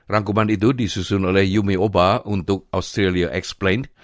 rangkuman itu disusun oleh yumi oba untuk australia explained